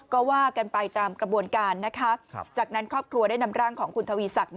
ก็ว่ากันไปตามกระบวนการนะคะจากนั้นครอบครัวได้นำร่างของคุณทวีศักดิ